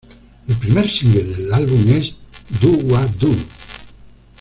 El primer single del álbum es "Do-Wah-Doo".